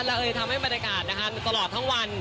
เราจะทำให้บรรยากาศตลอดทั้งวัน